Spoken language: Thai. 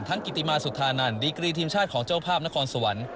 กิติมาสุธานันดีกรีทีมชาติของเจ้าภาพนครสวรรค์